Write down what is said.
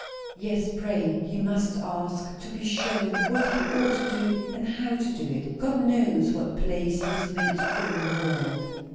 "Yes, pray. He must ask to be shown what he ought to do, and how to do it. God knows what place he is meant to fill in the world."